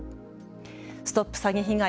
ＳＴＯＰ詐欺被害！